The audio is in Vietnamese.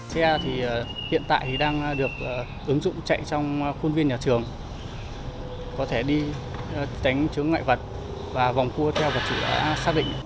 xe hiện tại đang được ứng dụng chạy trong khuôn viên nhà trường có thể đi tránh chướng ngại vật và vòng cua theo vật chủ đã xác định